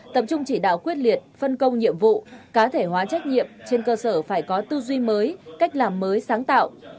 tập trung chỉ đạo quyết liệt phân công nhiệm vụ cá thể hóa trách nhiệm trên cơ sở phải có tư duy mới cách làm mới sáng tạo